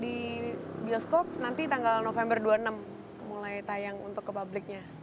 di bioskop nanti tanggal november dua puluh enam mulai tayang untuk ke publiknya